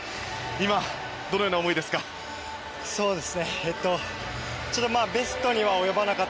今、どのような思いですか？